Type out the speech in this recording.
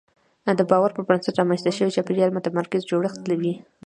د باور پر بنسټ رامنځته شوی چاپېریال متمرکز جوړښت وي.